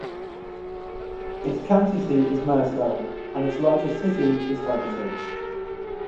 Its county seat is Mercer, and its largest city is Hermitage.